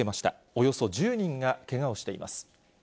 およそ１０人がけがをしています。